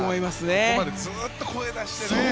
ここまでずっと声を出してね。